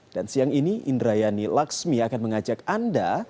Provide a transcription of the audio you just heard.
dan siang ini indrayani laksmi akan mengajak anda